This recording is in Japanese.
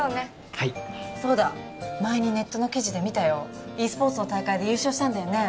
はいそうだ前にネットの記事で見たよｅスポーツの大会で優勝したんだよね？